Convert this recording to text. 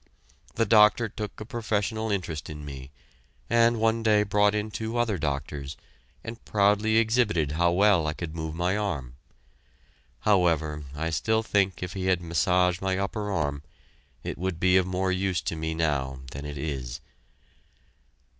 The doctor took a professional interest in me, and one day brought in two other doctors, and proudly exhibited how well I could move my arm. However, I still think if he had massaged my upper arm, it would be of more use to me now than it is.